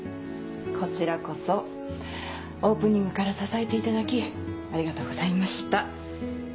こちらこそオープニングから支えていただきありがとうございました。